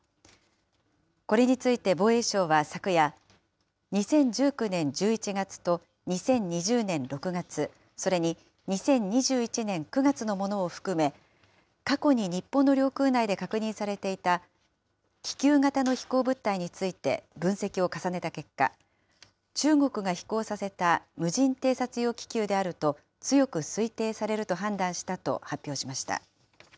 これについて防衛省は昨夜、２０１９年１１月と２０２０年６月、それに２０２１年９月のものを含め、過去に日本の領空内で確認されていた気球型の飛行物体について分析を重ねた結果、中国が飛行させた無人偵察用気球であると強く推定されると判断したと発表しました。